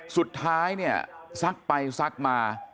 สุดท้ายเนี่ยซักไปซักมา